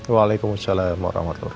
waalaikumsalam warahmatullahi wabarakatuh